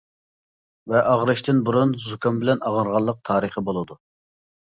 ۋە ئاغرىشتىن بۇرۇن زۇكام بىلەن ئاغرىغانلىق تارىخى بولىدۇ.